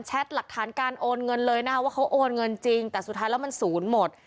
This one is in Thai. หลักฐานการโอนเงินเลยนะคะว่าเขาโอนเงินจริงแต่สุดท้ายแล้วมันศูนย์หมด